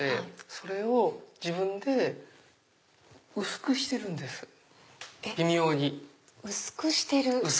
それを自分で薄くしてるんです微妙に。薄くしてる？